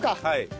はい。